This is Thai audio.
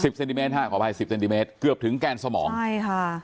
สิบเซนติเมตรห้าขวาไปสิบเซนติเมตรเกือบถึงแกนสมองใช่ค่ะ